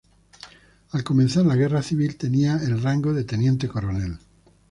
Al comenzar la Guerra civil tenía el rango de Teniente coronel.